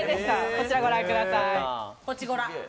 こちらをご覧ください。